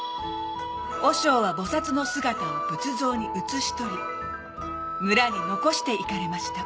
「和尚は菩薩の姿を仏像に写し取り村に残していかれました」